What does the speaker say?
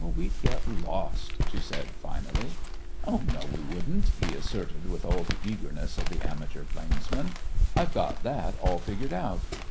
"We'd get lost," she said, finally. "Oh, no, we wouldn't!" he asserted with all the eagerness of the amateur plainsman. "I've got that all figured out.